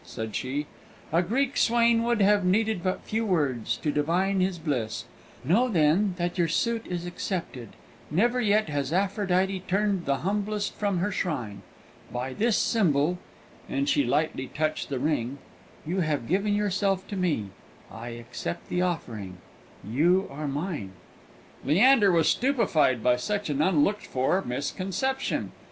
said she; "a Greek swain would have needed but few words to divine his bliss. Know, then, that your suit is accepted; never yet has Aphrodite turned the humblest from her shrine. By this symbol," and she lightly touched the ring, "you have given yourself to me. I accept the offering you are mine!" Leander was stupefied by such an unlooked for misconception.